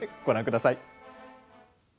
ご覧ください。